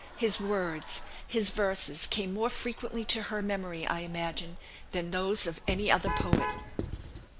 His words, his verses, came more frequently to her memory, I imagine, than those of any other poet.